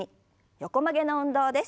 横曲げの運動です。